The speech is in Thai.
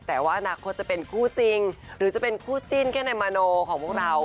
แต่ว่าอนาคตจะเป็นคู่จริงหรือจะเป็นคู่จิ้นแค่ในมาโนของพวกเรา